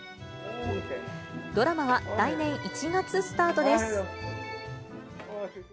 ドラマは来年１月スタートです。